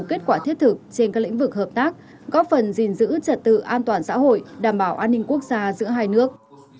kết quả thiết thực trên các lĩnh vực hợp tác góp phần gìn giữ trật tự an toàn xã hội đảm bảo an ninh quốc gia giữa hai nước